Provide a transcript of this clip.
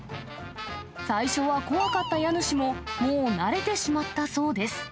最初は怖かった家主も、もう慣れてしまったそうです。